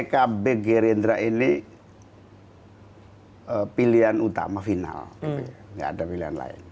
pkb gerindra ini pilihan utama final nggak ada pilihan lain